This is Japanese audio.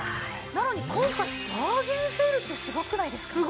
なのに今回バーゲンセールってすごくないですか？